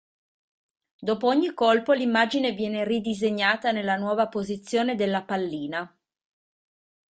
Dopo ogni colpo l'immagine viene ridisegnata nella nuova posizione della pallina.